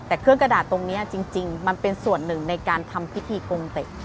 แต่เครื่องกระดาษตรงนี้จริงมันเป็นส่วนหนึ่งในการทำพิธีกงเต็ด